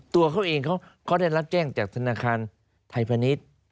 ตัวเขาเองเขาได้รับแจ้งจากธนาคารไทยพาณิชย์